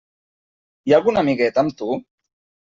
Hi ha algun amiguet amb tu?